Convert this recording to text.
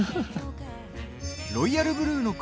ロイヤルブルーの国